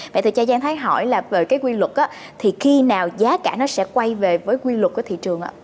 vậy thì cha giang thấy hỏi là về cái quy luật thì khi nào giá cả nó sẽ quay về với quy luật của thị trường ạ